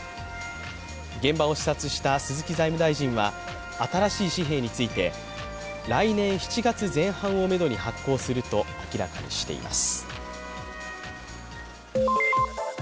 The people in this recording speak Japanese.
現場を視察した鈴木財務大臣は、新しい紙幣について、来年７月前半をめどに発行すると明らかにしています。